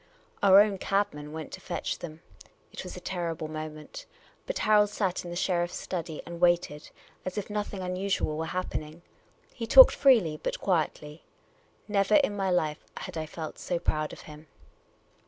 Our own cabman went to fetch them. It was a terrible moment. But Harold sat in the sheriff's study and waited, as if nothing uiuisual were happening. He talked freely but quietly. Never in my life had I felt vSo proud of him.